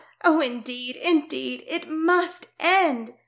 Oh, indeed, indeed it must end